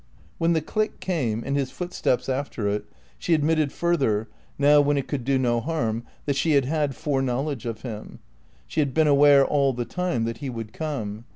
When the click came and his footsteps after it, she admitted further (now when it could do no harm) that she had had foreknowledge of him; she had been aware all the time that he would come.